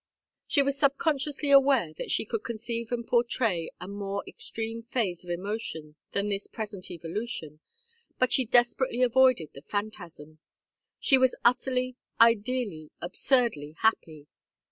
She was subconciously aware that she could conceive and portray a more extreme phase of emotion than this present evolution, but she deliberately avoided the phantasm. She was utterly, ideally, absurdly happy.